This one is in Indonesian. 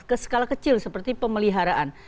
ke skala kecil seperti pemeliharaan